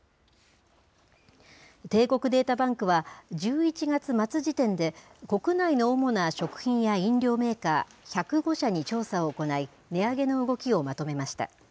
帝国データバンクは、１１月末時点で、国内の主な食品や飲料メーカー１０５社に調査を行い、値上げの動きをまとめました。